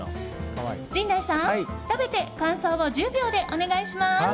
陣内さん、食べて感想を１０秒でお願いします。